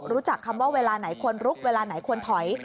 รู้จักคำว่าเวลาไหนควรลุกเวลาไหนควรถอย